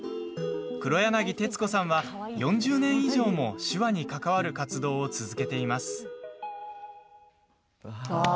黒柳徹子さんは４０年以上も手話に関わる活動を続けています。